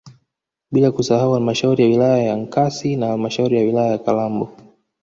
bila kusahau halmashauri ya wilaya ya Nkasi na halmashauri ya wilaya ya Kalambo